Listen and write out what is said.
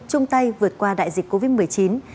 chung tay vượt qua đại dịch covid một mươi chín